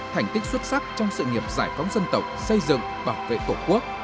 thành tích xuất sắc trong sự nghiệp giải phóng dân tộc xây dựng bảo vệ tổ quốc